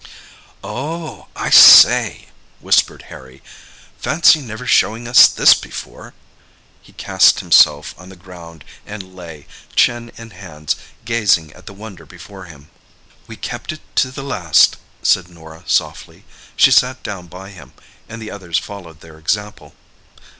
"Oh h, I say," whispered Harry. "Fancy never showing us this before!" He cast himself on the ground and lay, chin in hands, gazing at the wonder before him. "We kept it to the last," said Norah softly. She sat down by him and the others followed their example.